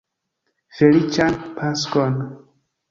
Feliĉan Paskon!